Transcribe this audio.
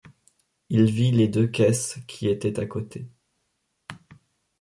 Il vit les deux caisses qui étaient à côté.